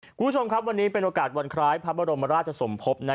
คุณผู้ชมครับวันนี้เป็นโอกาสวันคล้ายพระบรมราชสมภพ